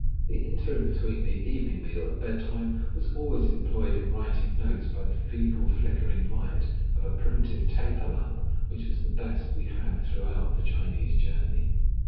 The interim between the evening meal and bedtime was always employed in writing notes by the feeble, flickering light of a primitive taper lamp, which was the best we had throughout the Chinese journey.